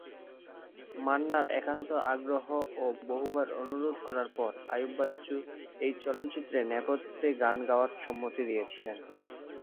মান্না’র একান্ত আগ্রহ ও বহুবার অনুরোধ করার পর আইয়ুব বাচ্চু এই চলচ্চিত্রে নেপথ্য গান গাওয়ার সম্মতি দিয়েছিলেন।